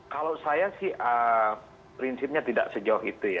kalau saya sih prinsipnya tidak sejauh itu ya